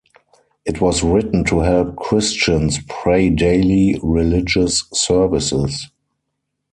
It was written to help Christians pray daily religious services.